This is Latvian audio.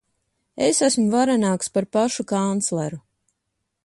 Es esmu varenāks par pašu kancleru.